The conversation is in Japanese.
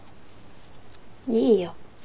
いいよ。